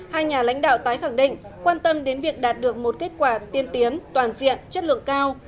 hai nhà lãnh đạo tái khẳng định quan tâm đến việc đạt được một kết quả tiên tiến toàn diện chất lượng cao